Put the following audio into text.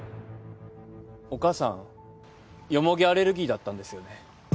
お母さんヨモギアレルギーだったんですよね？